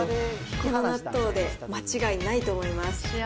この納豆で間違いないと思います。